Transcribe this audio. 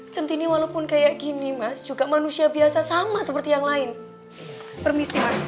centini walaupun kayak gini mas juga manusia biasa sama seperti yang lain permisi mas